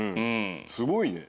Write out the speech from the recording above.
すごいね。